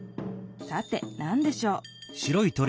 さて何でしょう？